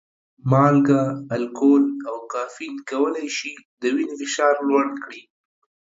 مالګه، الکول او کافین کولی شي د وینې فشار لوړ کړي.